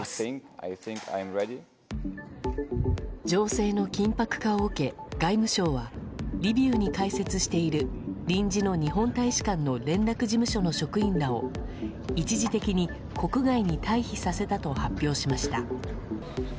情勢の緊迫化を受け外務省はリビウに開設している臨時の日本大使館の連絡事務所の職員らを一時的に国外に退避させたと発表しました。